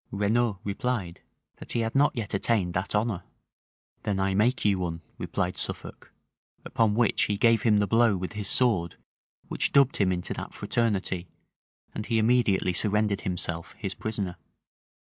Renaud replied, that he had not yet attained that honor. "Then I make you one," replied Suffolk; upon which he gave him the blow with his sword which dubbed him into that fraternity; and he immediately surrendered himself his prisoner.